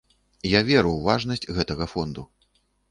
Я веру ў важнасць гэтага фонду.